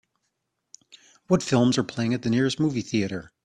What films are playing at the nearest movie theatre